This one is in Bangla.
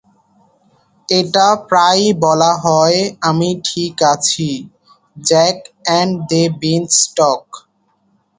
এটা প্রায়ই বলা হয় আমি ঠিক আছি জ্যাক এন্ড দ্য বিন্সটক.